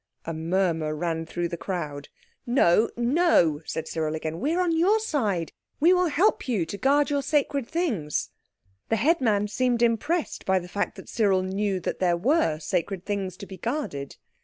A murmur ran through the crowd. "No, no," said Cyril again. "We are on your side. We will help you to guard your sacred things." The headman seemed impressed by the fact that Cyril knew that there were sacred things to be guarded.